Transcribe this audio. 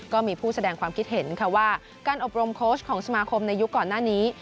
ก็มีผู้แสดงความคิดเห็นค่ะว่าการอบรมโค้ชของสมาคมในยุคก่อนหน้านี้